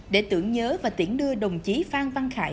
để tưởng nhớ và tiễn đưa đồng chí phan văn khải